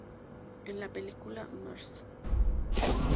En la película Mr.